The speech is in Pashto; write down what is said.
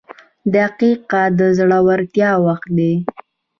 • دقیقه د زړورتیا وخت دی.